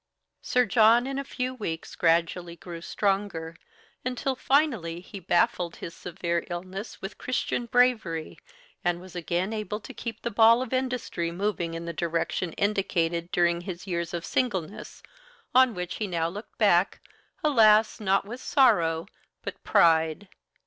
Sir John in a few weeks gradually grew stronger, until finally he baffled his severe illness with Christian bravery, and was again able to keep the ball of industry moving in the direction indicated during his years of singleness, on which he now looked back, alas! not with sorrow, but pride.